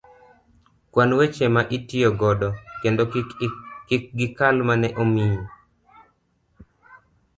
kwan weche ma itiyo godo kendo kik gikal mane omiyi.